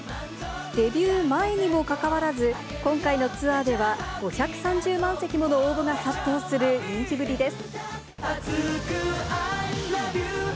デビュー前にもかかわらず、今回のツアーでは、５３０万席もの応募が殺到する人気ぶりです。